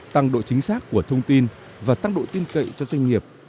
tăng độ chính xác của thông tin và tăng độ tin cậy cho doanh nghiệp